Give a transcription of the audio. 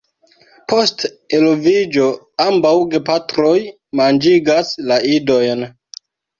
Post eloviĝo ambaŭ gepatroj manĝigas la idojn.